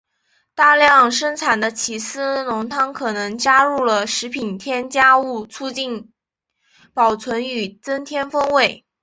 大量生产的起司浓汤可能加入了食品添加物促进保存与增添风味。